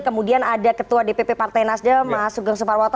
kemudian ada ketua dpp partai nasdem mas sugeng suparwoto